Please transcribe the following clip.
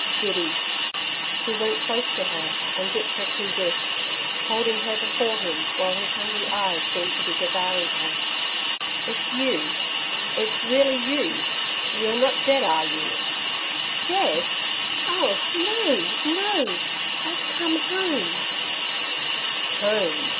'Biddy!' He went close to her and gripped her two wrists, holding her before him while his hungry eyes seemed to be devouring her. 'It's you it's really you. You're not dead, are you?' 'Dead! Oh no no.... I've come home.' 'Home!'